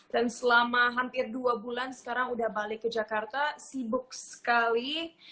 dan selama hampir dua bulan sekarang udah balik ke jakarta sibuk sekali